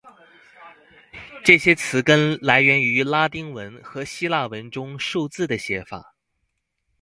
这些词根来源于拉丁文和希腊文中数字的写法。